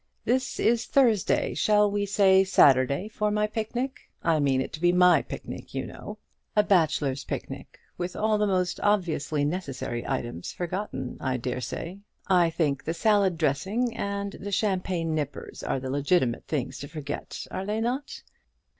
This is Thursday; shall we say Saturday for my picnic? I mean it to be my picnic, you know; a bachelor's picnic, with all the most obviously necessary items forgotten, I dare say. I think the salad dressing and the champagne nippers are the legitimate things to forget, are they not?